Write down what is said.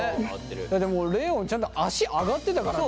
だってもうレオンちゃんと足上がってたからね。